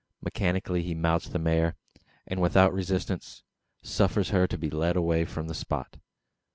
Mechanically he mounts the mare; and, without resistance, suffers her to be led away from the spot.